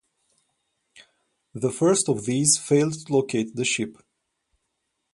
The first of these failed to locate the ship.